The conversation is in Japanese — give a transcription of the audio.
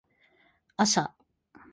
朝